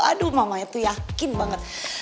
aduh mamanya tuh yakin banget